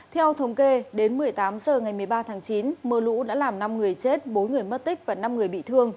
theo thống kê đến một mươi tám h ngày một mươi ba tháng chín mưa lũ đã làm năm người chết bốn người mất tích và năm người bị thương